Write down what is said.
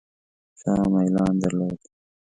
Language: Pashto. شاه میلان درلود.